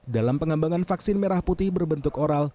dalam pengembangan vaksin merah putih berbentuk oral